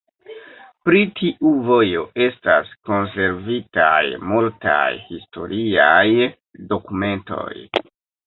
Pri tiu vojo estas konservitaj multaj historiaj dokumentoj.